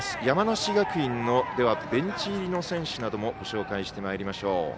山梨学院のベンチ入り選手などもご紹介してまいりましょう。